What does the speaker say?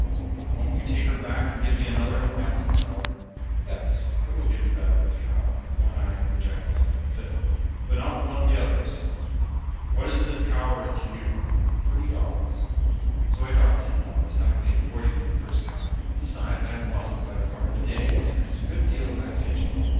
"Won't you take her back and give me another?" I asked the seller. "Yes, I will give you that red cow," one I had rejected as unfit, "but not one of the others." "What is this cow worth to you?" "Thirty dollars." So I dropped ten dollars, having paid forty for the first cow. Besides, I had lost the better part of a day and experienced a good deal of vexation.